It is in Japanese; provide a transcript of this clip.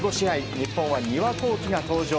日本は丹羽孝希が登場。